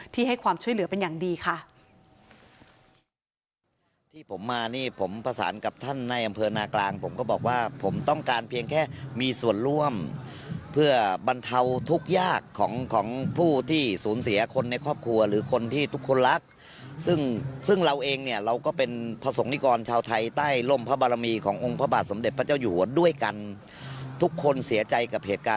ให้ความช่วยเหลือเป็นอย่างดีค่ะ